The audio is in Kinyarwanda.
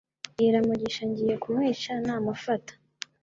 Bwira Mugisha ngiye kumwica namufata